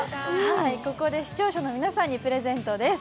ここで視聴者の皆さんにプレゼントです。